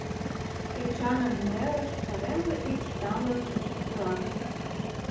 Эчанын нерыш пареҥге ӱпш тамлын чучын пура.